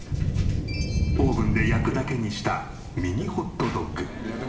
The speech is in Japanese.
オーブンで焼くだけにしたミニホットドッグ。